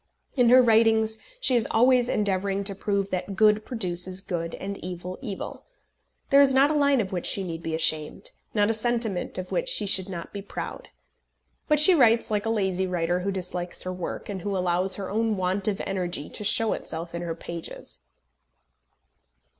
In her writings she is always endeavouring to prove that good produces good, and evil evil. There is not a line of which she need be ashamed, not a sentiment of which she should not be proud. But she writes like a lazy writer who dislikes her work, and who allows her own want of energy to show itself in her pages.